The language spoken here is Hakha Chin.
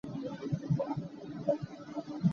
Mizaw kha laang in an put.